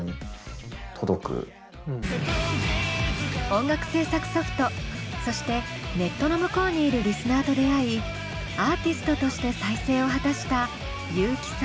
音楽制作ソフトそしてネットの向こうにいるリスナーと出会いアーティストとして再生を果たした有機酸こと神山羊。